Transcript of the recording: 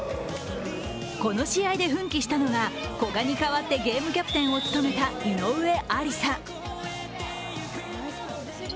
この試合で奮起したのが古賀に代わってゲームキャプテンを務めた、井上愛里沙。